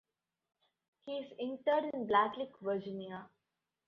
He is interred in Blacklick, Virginia.